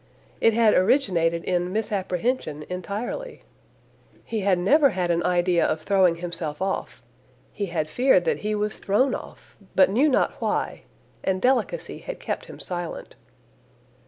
It had originated in misapprehension entirely. He had never had an idea of throwing himself off; he had feared that he was thrown off, but knew not why, and delicacy had kept him silent.